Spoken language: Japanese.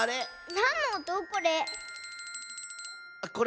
なんのおとこれ？